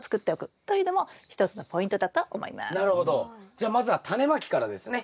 じゃあまずはタネまきからですね。